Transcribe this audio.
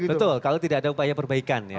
betul kalau tidak ada upaya perbaikan ya